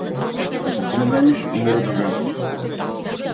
Ако позајмиш мораш да вратиш.